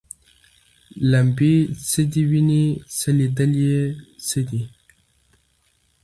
لمبې څه دي ویني څه لیدل یې څه دي